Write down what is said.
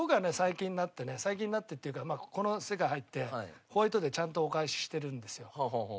最近になってね最近になってっていうかこの世界入ってホワイトデーちゃんとお返ししてるんですよ